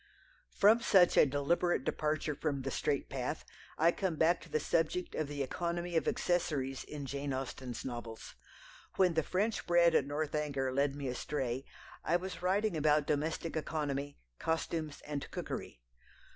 From such a deliberate departure from the straight path I come back to the subject of the economy of accessories in Jane Austen's novels. When the French bread at Northanger led me astray, I was writing about domestic economy, costumes and cookery.